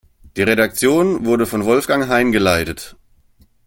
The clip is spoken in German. Die Redaktion wurde von Wolfgang Hein geleitet.